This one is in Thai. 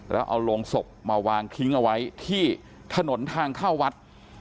แล้วเอาโรงศพมาวางทิ้งเอาไว้ที่ถนนทางเข้าวัด